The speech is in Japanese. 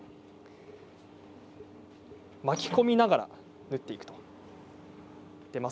巻き込みながら縫っていきます。